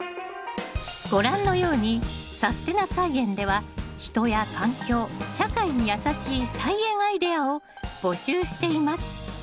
ご覧のように「さすてな菜園」では人や環境社会にやさしい菜園アイデアを募集しています。